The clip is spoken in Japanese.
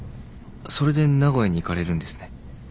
それで名古屋に行かれるんですね。